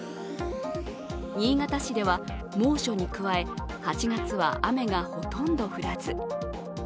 新潟市では猛暑に加え８月は雨がほとんど降らず。